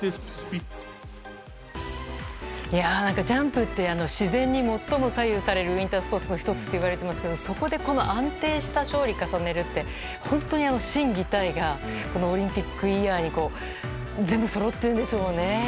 ジャンプって自然に最も左右されるウィンタースポーツの１つっていわれていますけどもそこで安定した勝利を重ねるって本当に心技体がオリンピックイヤーに全部、そろっているんでしょうね。